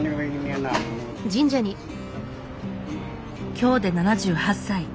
今日で７８歳。